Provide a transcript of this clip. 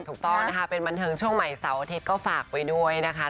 ถูกต้องนะคะเป็นบันเทิงช่วงใหม่เสาร์อาทิตย์ก็ฝากไปด้วยนะคะ